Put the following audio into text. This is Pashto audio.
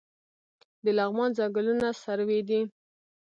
د لغمان ځنګلونه سروې دي